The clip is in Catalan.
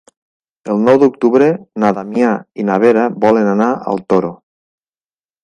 El nou d'octubre na Damià i na Vera volen anar al Toro.